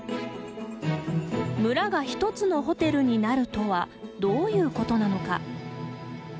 村がひとつのホテルになるとはどういうことなのか？